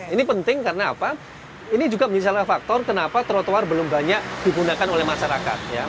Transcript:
ini penting karena apa ini juga misalnya faktor kenapa trotoar belum banyak digunakan oleh masyarakat